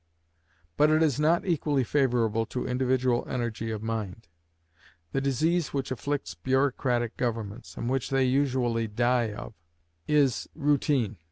But it is not equally favorable to individual energy of mind. The disease which afflicts bureaucratic governments, and which they usually die of, is routine.